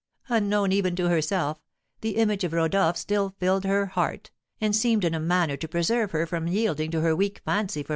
Unknown, even to herself, the image of Rodolph still filled her heart, and seemed in a manner to preserve her from yielding to her weak fancy for M.